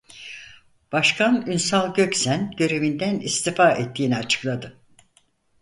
Başkan Ünsal Göksen görevinden istifa ettiğini açıkladı.